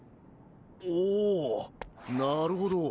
おおなるほど。